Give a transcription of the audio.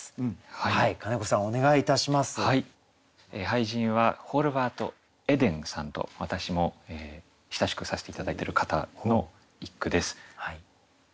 俳人はホルヴァート・エデンさんと私も親しくさせて頂いてる方の一句です。